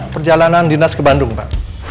perjalanan dinas ke bandung pak